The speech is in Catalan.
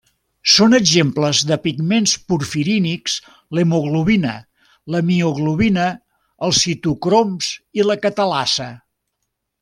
Són exemples de pigments porfirínics l'hemoglobina, la mioglobina, els citocroms i la catalasa.